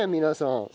皆さん。